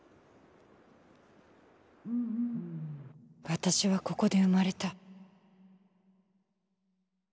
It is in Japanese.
私はここで生まれた。